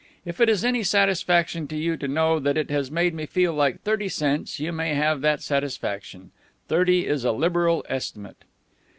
If it is any satisfaction to you to know that it has made me feel like thirty cents, you may have that satisfaction. Thirty is a liberal estimate."